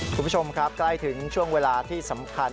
คุณผู้ชมครับใกล้ถึงช่วงเวลาที่สำคัญ